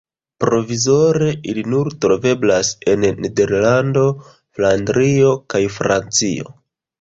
Provizore ili nur troveblas en Nederlando, Flandrio kaj Francio.